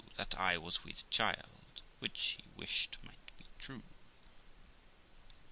that I was with child, which he wished might be true.